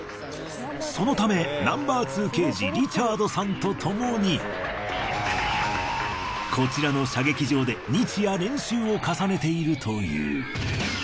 そのためＮｏ．２刑事リチャードさんとともにこちらの射撃場で日夜練習を重ねているという。